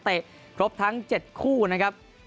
ครบทั้ง๗คู่นะครับ